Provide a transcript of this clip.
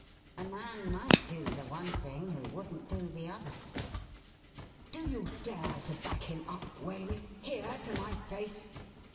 A man might do the one thing who wouldn't do the other.' ' Do you dare to back him up, Waley — ^here, to my face